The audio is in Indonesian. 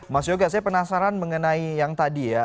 mas yoga saya penasaran mengenai yang tadi ya